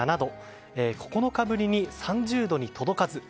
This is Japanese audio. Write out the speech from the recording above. ９日ぶりに３０度に届かず。